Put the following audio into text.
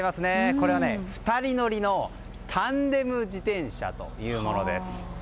これは２人乗りのタンデム自転車というものです。